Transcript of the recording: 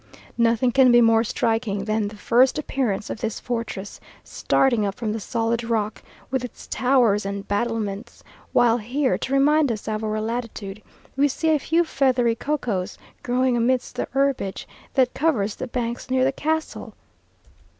Nothing can be more striking than the first appearance of this fortress, starting up from the solid rock, with its towers and battlements, while here, to remind us of our latitude, we see a few feathery cocoas growing amidst the herbage that covers the banks near the castle.